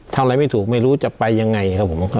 ทำอะไรไม่ถูกไม่รู้จะไปยังไงครับผม